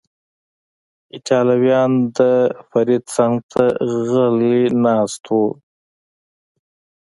ایټالویان، د فرید څنګ ته غلی ناست و.